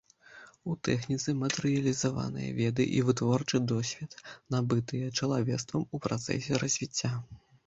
У тэхніцы матэрыялізаваныя веды і вытворчы досвед, набытыя чалавецтвам у працэсе развіцця.